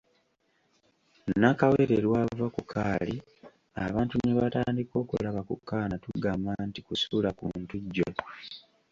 Nakawere lw'ava ku kaali abantu ne batandika okulaba ku kaana tugamba nti kusula ku ntujjo.